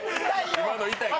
今の痛いで。